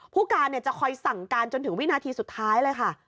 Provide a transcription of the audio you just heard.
ผู้การจะคอยสั่งการจนถึงวินาทีสุดท้ายเลยค่ะ